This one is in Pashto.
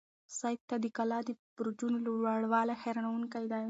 سعید ته د کلا د برجونو لوړوالی حیرانونکی و.